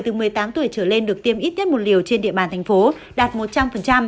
tỷ lệ người từ hai mươi tuổi trở lên được tiêm ít tiết một liều trên địa bàn tp hcm đạt một trăm linh